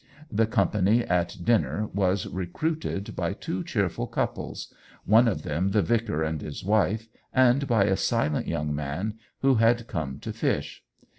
The company at dinner was re cruited by two cheerful couples — one of them the vicar and his wife, and by a silent young man who had come down to fish.